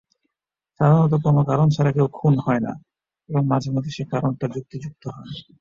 সাধারণত কোন কারন ছাড়া কেউ খুন হয়না এবং মাঝেমধ্যে সেই কারনটা যুক্তিযুক্ত হয়।